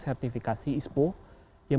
sertifikasi ispo yang